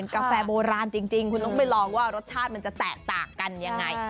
กาแฟโบราณจริงคุณต้องไปลองว่ารสชาติมันจะแตกต่างกันยังไง